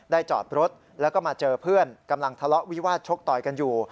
จอดรถแล้วก็มาเจอเพื่อนกำลังทะเลาะวิวาสชกต่อยกันอยู่